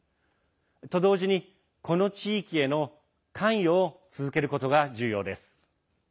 と同時に、この地域への関与を続けることが重要です。